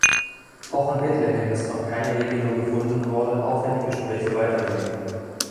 Auch in Bethlehem ist noch keine Regelung gefunden worden, auch wenn die Gespräche weitergehen.